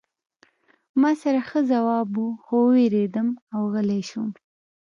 ما سره ښه ځواب و خو ووېرېدم او غلی شوم